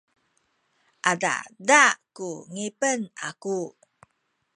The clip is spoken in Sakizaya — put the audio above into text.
adada ku ngipen aku